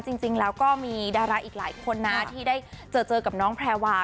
จริงแล้วก็มีดาราอีกหลายคนนะที่ได้เจอกับน้องแพรวา